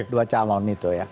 dua calon itu ya